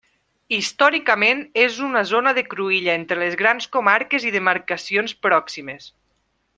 Històricament és una zona de cruïlla entre les grans comarques i demarcacions pròximes.